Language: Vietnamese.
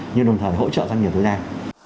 nhưng đồng thời hỗ trợ doanh nghiệp thời gian